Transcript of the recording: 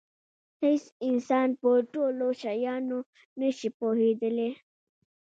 هېڅ انسان په ټولو شیانو نه شي پوهېدلی.